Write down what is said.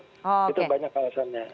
itu banyak alasannya